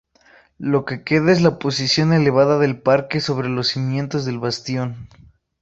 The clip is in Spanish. Lo que queda es la posición elevada del parque sobre los cimientos del bastión.